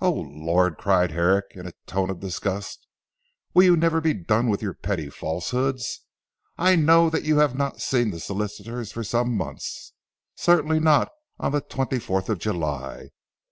"Oh, Lord!" cried Herrick in a tone of disgust "will you never be done with your petty falsehoods. I know that you have not seen the solicitors for some months certainly not on the twenty fourth of July.